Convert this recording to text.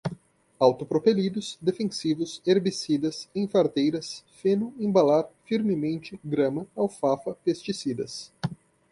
autopropelidos, defensivos, herbicidas, enfardadeiras, feno, embalar, firmemente, grama, alfafa, pesticidas